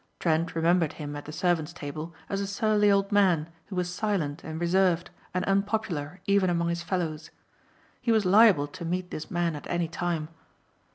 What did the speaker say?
Trent remembered him at the servants' table as a surly old man who was silent and reserved and unpopular even among his fellows. He was liable to meet this man at any time.